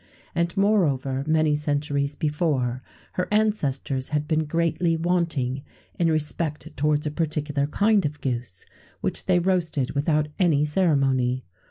[XVII 58] And moreover, many centuries before, her ancestors had been greatly wanting in respect towards a particular kind of goose, which they roasted without any ceremony.